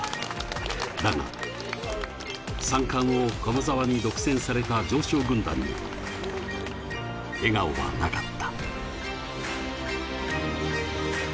だが、三冠王を駒澤に独占された常勝軍団に笑顔はなかった。